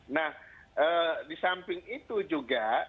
nah di samping itu juga